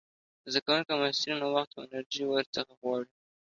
د زده کوونکو او محصلينو وخت او انرژي ورڅخه غواړي.